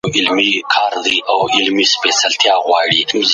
هغوی هڅه کوي چې د مالدارۍ نظام قوي کړي.